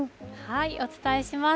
お伝えします。